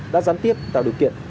đã gián tiếp tạo điều kiện